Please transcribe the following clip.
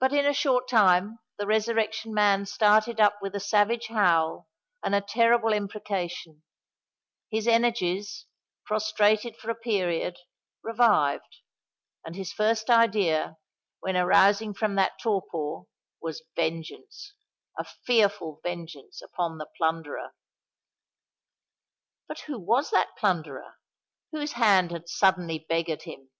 But in a short time the Resurrection Man started up with a savage howl and a terrible imprecation: his energies—prostrated for a period—revived; and his first idea, when arousing from that torpor, was vengeance—a fearful vengeance upon the plunderer. But who was that plunderer? whose hand had suddenly beggared him?